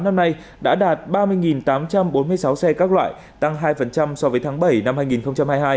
năm nay đã đạt ba mươi tám trăm bốn mươi sáu xe các loại tăng hai so với tháng bảy năm hai nghìn hai mươi hai